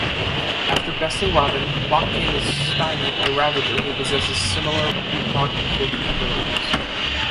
After besting Robin, Clock King is stymied by Ravager, who possesses similar precognitive abilities.